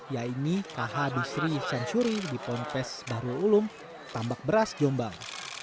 di pemakaman tondok pesantren tebu irem jombang